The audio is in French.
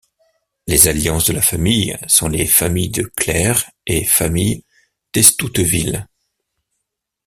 Les alliances de la famille sont les familles de Clères et Famille d'Estouteville.